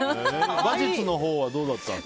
馬術のほうはどうだったんですか？